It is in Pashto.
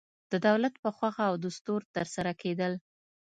د دولت په خوښه او دستور ترسره کېدل.